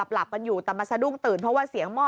หลับกันอยู่แต่มาสะดุ้งตื่นเพราะว่าเสียงหม้อ